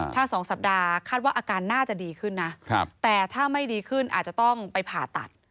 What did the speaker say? ถ้า๒สัปดาห์คาดว่าอาการน่าจะดีขึ้นนะแต่ถ้าไม่ดีขึ้นอาจจะต้องไปผ่าตัด